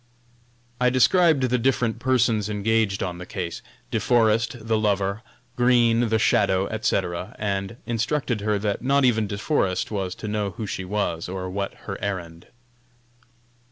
I described the different persons engaged on the case: De Forest, the lover; Green, the "shadow," etc., and instructed her that not even De Forest was to know who she was or what her errand.